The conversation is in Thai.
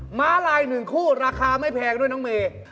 หมาลายหนึ่งคู่ราคาไม่แพงด้วยน้องเม